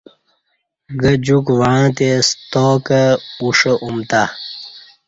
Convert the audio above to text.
گہ جوک وعں تے ستاکہ اوݜہ امتہ